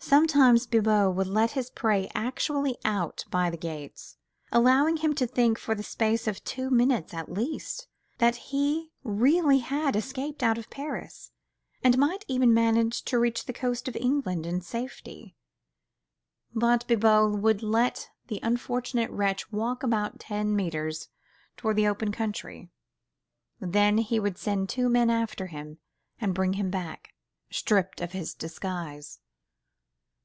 Sometimes Bibot would let his prey actually out by the gates, allowing him to think for the space of two minutes at least that he really had escaped out of Paris, and might even manage to reach the coast of England in safety, but Bibot would let the unfortunate wretch walk about ten mètres towards the open country, then he would send two men after him and bring him back, stripped of his disguise.